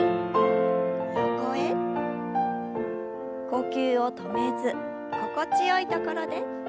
呼吸を止めず心地よいところで。